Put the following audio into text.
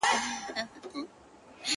د هر څه حد وي زندګۍ ظالمې بس دی کنه